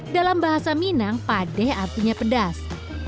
dalam bahasa minang padeh artinya pedas